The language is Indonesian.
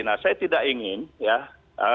nah saya tidak ingin ya